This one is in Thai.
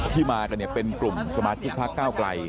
มากันเป็นกลุ่มสมาชิกพักเก้าไกล